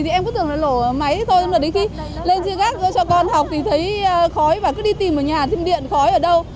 thì em cứ tưởng là lỗ máy thôi thế mà đến khi lên trên gác cho con học thì thấy khói và cứ đi tìm ở nhà thêm điện khói ở đâu